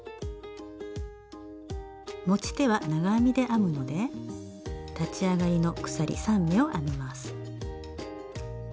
持ち手は長編みで編むので立ち上がりの鎖３目を編みます。